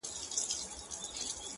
پر څښتن دسپي دي وي افرینونه،